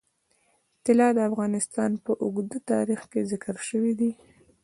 طلا د افغانستان په اوږده تاریخ کې ذکر شوی دی.